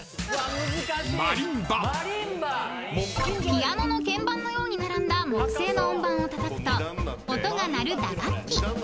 ［ピアノの鍵盤のように並んだ木製の音板をたたくと音が鳴る打楽器］